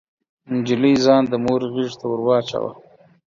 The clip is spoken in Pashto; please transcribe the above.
نجلۍ ځان د مور غيږې ته ور واچاوه.